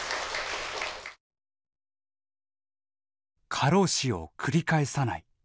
過労死を繰り返さない。